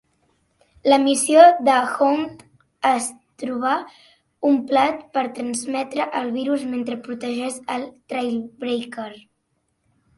La missió de Hound és trobar un plat per transmetre el virus mentre protegeix el Trailbreaker.